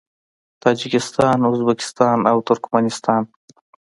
تاجکستان، ازبکستان او ترکمنستان